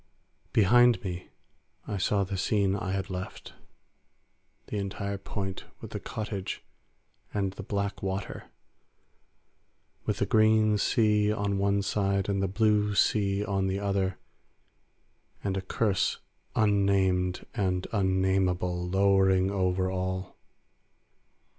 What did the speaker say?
Behind me I saw the scene I had left; the entire point with the cottage and the black water, with the green sea on one side and the blue sea on the other, and a curse unnamed and unnamable lowering over all.